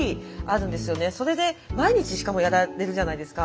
それで毎日しかもやられるじゃないですか。